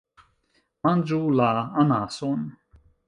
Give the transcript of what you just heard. Manĝu la... anason.